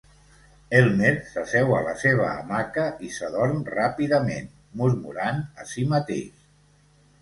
Elmer s'asseu a la seva hamaca i s'adorm ràpidament, murmurant a si mateix.